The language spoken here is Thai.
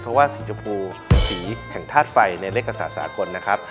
เพราะว่าสีชมพูสีแห่งธาตุไฟในเลขกษาสากลนะครับ